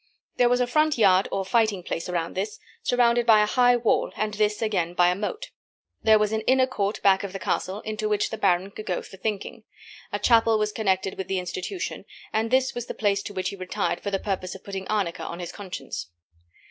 There was a front yard or fighting place around this, surrounded by a high wall, and this again by a moat. There was an inner court back of the castle, into which the baron could go for thinking. A chapel was connected with the institution, and this was the place to which he retired for the purpose of putting arnica on his conscience.